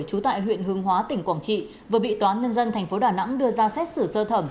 trú tại huyện hương hóa tỉnh quảng trị vừa bị toán nhân dân tp đà nẵng đưa ra xét xử sơ thẩm